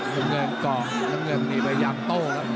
ทั้งเงินกล่องทั้งเงินมีพยายามโต้